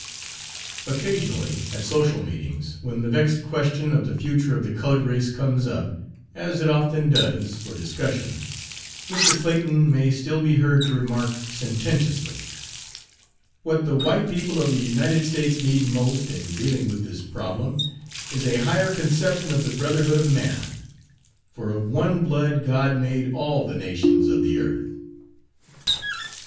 Occasionally, at social meetings, when the vexed question of the future of the colored race comes up, as it often does, for discussion, Mr. Clayton may still be heard to remark sententiously: "What the white people of the United States need most, in dealing with this problem, is a higher conception of the brotherhood of man. For of one blood God made all the nations of the earth."